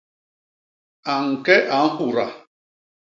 A ñke a nhuda.